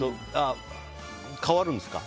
変わるんですか。